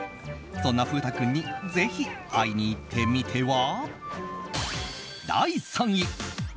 そんな風太君にぜひ会いに行ってみては？